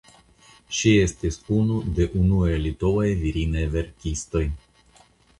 Ŝi estis unu de unuaj litovaj virinaj verkistoj.